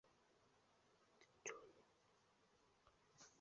主要村落为斜古丹。